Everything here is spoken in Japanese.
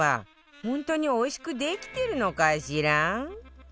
本当においしくできてるのかしら？